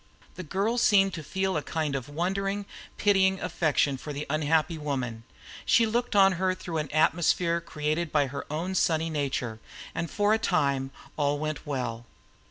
The girl seemed to feel a kind of wondering, pitying affection for the unhappy woman; she looked on her through an atmosphere created by her own sunny nature, and for a time all went well.